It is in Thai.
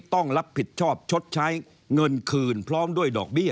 ต้องรับผิดชอบชดใช้เงินคืนพร้อมด้วยดอกเบี้ย